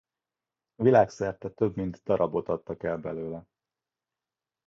Világszerte több mint darabot adtak el belőle.